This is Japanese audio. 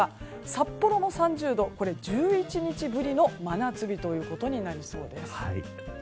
札幌も３０度、１１日ぶりの真夏日となりそうです。